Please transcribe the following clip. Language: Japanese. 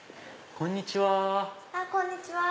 こんにちは。